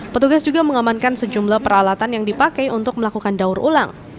petugas juga mengamankan sejumlah peralatan yang dipakai untuk melakukan daur ulang